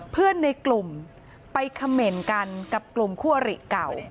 เพื่อนในกลุ่มไปเขม่นกันกับกลุ่มคู่อริเก่า